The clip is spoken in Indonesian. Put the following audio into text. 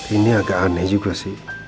ini agak aneh juga sih